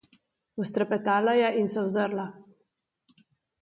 Vztrepetala je in se je ozrla.